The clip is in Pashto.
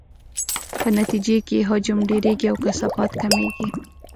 په نتیجې کې یې حجم ډیریږي او کثافت کمیږي.